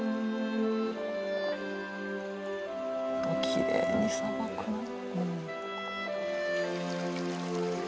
きれいにさばくな。